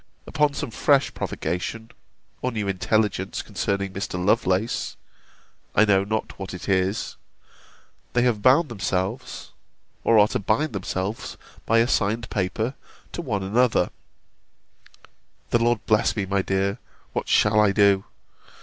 Upon some fresh provocation, or new intelligence concerning Mr. Lovelace, (I know not what it is,) they have bound themselves, or are to bind themselves, by a signed paper, to one another [The Lord bless me, my dear, what shall I do!